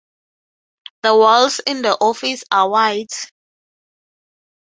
The walls in the office are white.